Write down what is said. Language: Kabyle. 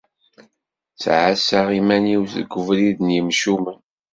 Ttɛassaɣ iman-iw seg ubrid n yimcumen.